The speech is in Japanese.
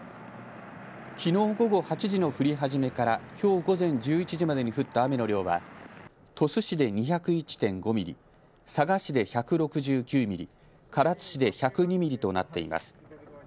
きのう午後８時の降り始めからきょう午前１１時までに降った雨の量は鳥栖市で２０１．５ミリ、佐賀市で１６９ミリ、唐津市で１０２ミリとなっています。